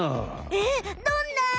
えっどんな？